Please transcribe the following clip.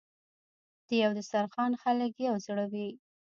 د یو دسترخان خلک یو زړه وي.